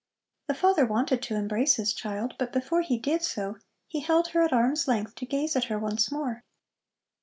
The father wanted to embrace his child, but before he did so he held her at arm's length to gaze at her once more.